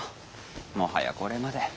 もはやこれまで。